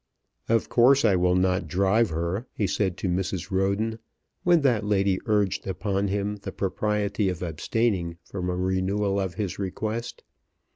"Of course I will not drive her," he said to Mrs. Roden, when that lady urged upon him the propriety of abstaining from a renewal of his request.